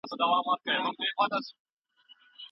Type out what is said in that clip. پاکې جامې واغوندئ.